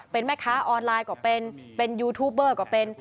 เป็นแม่ค้าออนไลน์ก็เป็นยูทูบเบอร์